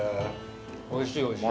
おいしいおいしい。